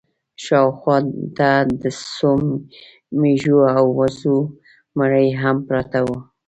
شا و خوا ته د څو مېږو او وزو مړي هم پراته وو.